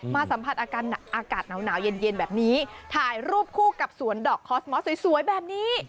สัมผัสอากาศหนาวเย็นแบบนี้ถ่ายรูปคู่กับสวนดอกคอสมอสสวยแบบนี้